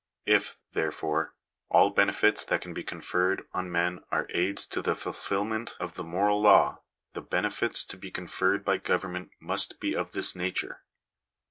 If, therefore, all benefits that can be conferred on men are aids to the fulfilment of the moral law, the benefits to be conferred by government must be of this nature.